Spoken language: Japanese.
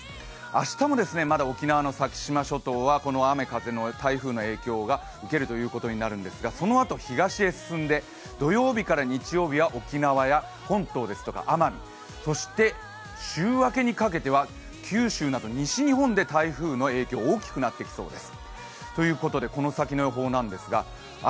明日もまだ沖縄の先島諸島はこの台風の影響を受けることになるんですがそのあと東へ進んで、土曜日から日曜日は沖縄本当ですとか奄美、そして週明けにかけては九州など西日本で台風の影響、大きくなってきそうです。